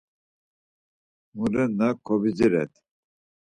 Murenna kovidziret.